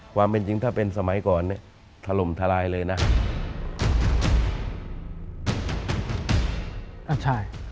ความจริงถ้าเป็นสมัยก่อนถล่มทะลายเลยนะ